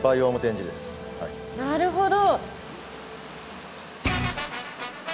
なるほど。